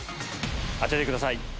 当ててください。